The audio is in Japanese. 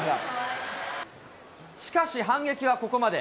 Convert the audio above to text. しかし反撃はここまで。